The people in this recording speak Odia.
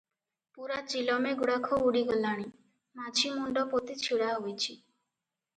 ପୂରା ଚିଲମେ ଗୁଡାଖୁ ଉଡ଼ି ଗଲାଣି, ମାଝି ମୁଣ୍ଡ ପୋତି ଛିଡାହୋଇଛି ।